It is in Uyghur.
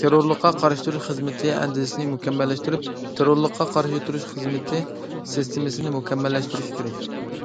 تېررورلۇققا قارشى تۇرۇش خىزمىتى ئەندىزىسىنى مۇكەممەللەشتۈرۈپ، تېررورلۇققا قارشى تۇرۇش خىزمىتى سىستېمىسىنى مۇكەممەللەشتۈرۈش كېرەك.